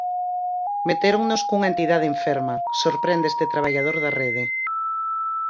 "Metéronnos cunha entidade enferma", sorprende este traballador da rede.